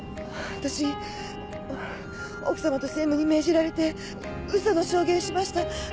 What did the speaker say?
私奥様と専務に命じられて嘘の証言しました。